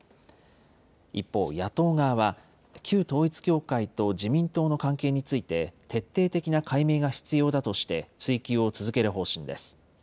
一方、野党側は、旧統一教会と自民党の関係について、徹底的な解明が必要だとして追及を続ける方針です。